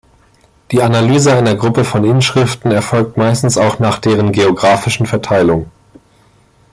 Die Analyse einer Gruppe von Inschriften erfolgt meistens auch nach deren geographischen Verteilung.